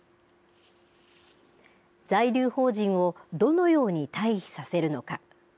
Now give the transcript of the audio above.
在留邦人をどのように退避させるのか。